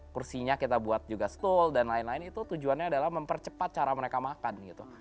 kursinya kita buat juga stol dan lain lain itu tujuannya adalah mempercepat cara mereka makan gitu